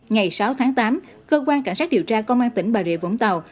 ngày sáu tháng tám cơ quan cảnh sát điều tra công an tỉnh bà rịa vũng tàu